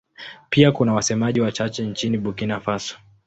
Pia kuna wasemaji wachache nchini Burkina Faso.